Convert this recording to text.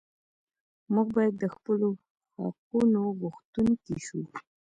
موږ باید د خپلو حقونو غوښتونکي شو.